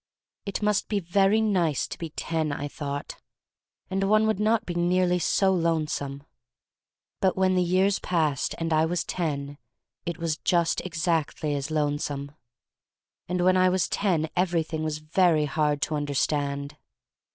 It must be very nice to be ten, I thought, — and one would not be nearly so lonesome. But when the years passed and I was ten it was just exactly as lonesome. And when I was ten everything was very hard to understand.